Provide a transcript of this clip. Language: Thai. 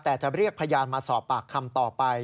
แต่จะเรียกพยานมาสอบปากคำต่อไป